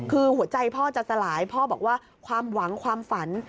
คือหัวใจพ่อจะสลายพ่อบอกว่าความหวังความฝัน